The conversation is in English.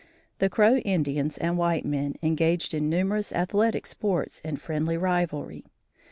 The Crow Indians and white men engaged in numerous athletic sports in friendly rivalry.